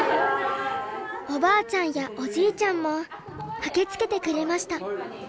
おばあちゃんやおじいちゃんも駆けつけてくれました。